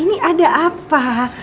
ini ada apa